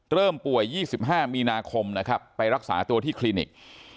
เริ่มป่วย๒๕มีนาคมนะครับไปรักษาตัวที่คลินิก